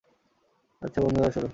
আচ্ছা বন্ধুরা, শোনো।